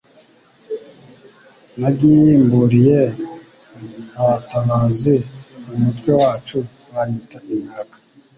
nagimbuliye abatabazi mu mutwe wacu banyita inkaka